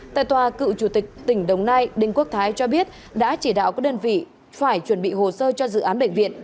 tại tòa cựu chủ tịch tỉnh đồng nai đinh quốc thái cho biết đã chỉ đạo các đơn vị phải chuẩn bị hồ sơ cho dự án bệnh viện